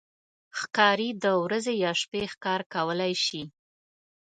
ښکاري د ورځې یا شپې ښکار کولی شي.